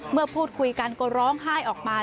พูดคุยกันก็ร้องไห้ออกมา